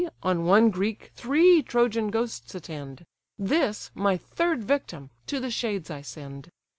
on one Greek three Trojan ghosts attend; This, my third victim, to the shades I send.